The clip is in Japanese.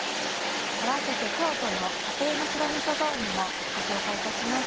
併せて京都の家庭の白みそ雑煮もご紹介いたします。